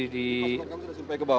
lepas itu sampai ke bawah